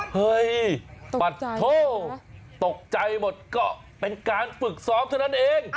เฮ้ยปัจโทตกใจหมดก็เป็นการฝึกซ้อมเท่านั้นเอง